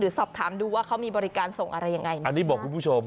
สอบถามดูว่าเขามีบริการส่งอะไรยังไงนะอันนี้บอกคุณผู้ชม